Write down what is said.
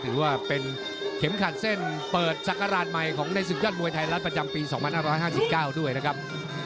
ถือว่าเป็นเข็มขัดเส้นเปิดศักราชใหม่ของในศึกยอดมวยไทยรัฐประจำปี๒๕๕๙ด้วยนะครับ